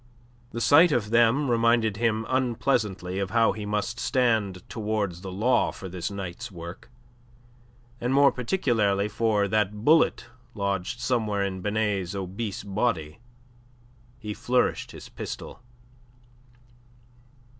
The sight of them reminded him unpleasantly of how he must stand towards the law for this night's work, and more particularly for that bullet lodged somewhere in Binet's obese body. He flourished his pistol.